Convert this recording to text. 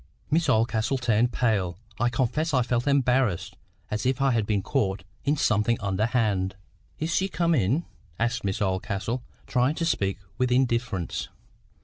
Miss Oldcastle turned pale. I confess I felt embarrassed, as if I had been caught in something underhand. "Is she come in?" asked Miss Oldcastle, trying to speak with indifference.